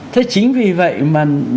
thế chính vì vậy mà nó đã là hình thức